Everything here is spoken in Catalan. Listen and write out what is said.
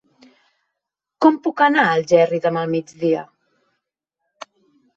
Com puc anar a Algerri demà al migdia?